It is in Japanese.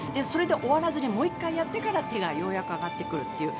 それで終わらずにもう１回やって手が上がってくる。